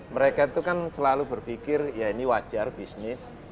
mereka itu kan selalu berpikir ya ini wajar bisnis